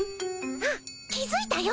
あっ気づいたよ。